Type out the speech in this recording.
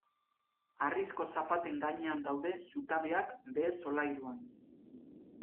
Harrizko zapaten gainean daude zutabeak behe-solairuan.